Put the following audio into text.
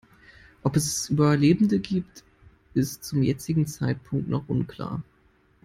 Ob es Überlebende gibt, ist zum jetzigen Zeitpunkt noch unklar.